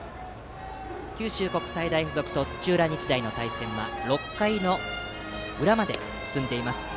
九州国際大付属と土浦日大の対戦は６回裏まで進んでいます。